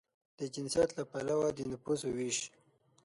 د جنسیت له پلوه د نفوسو وېش